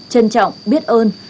trân trọng biết ơn